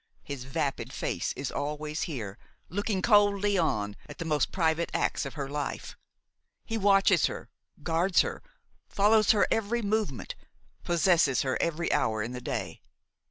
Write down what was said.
His vapid face is always here, looking coldly on at the most private acts of her life! He watches her, guards her, follows her every movement, possesses her every hour in the day!